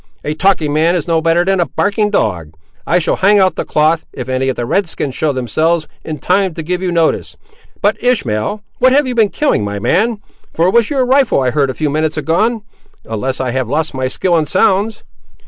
A talking man is no better than a barking dog. I shall hang out the cloth, if any of the red skins show themselves, in time to give you notice. But, Ishmael, what have you been killing, my man; for it was your rifle I heard a few minutes agone, unless I have lost my skill in sounds."